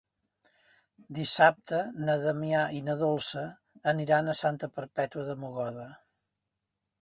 Dissabte na Damià i na Dolça aniran a Santa Perpètua de Mogoda.